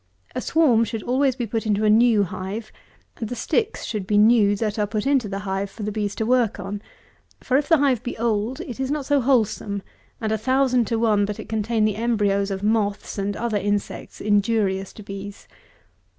A swarm should always be put into a new hive, and the sticks should be new that are put into the hive for the bees to work on; for, if the hive be old, it is not so wholesome, and a thousand to one but it contain the embryos of moths and other insects injurious to bees.